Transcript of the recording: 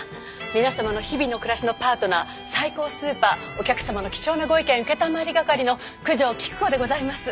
皆様の日々の暮らしのパートナーサイコウスーパーお客様の貴重なご意見うけたまわり係の九条菊子でございます。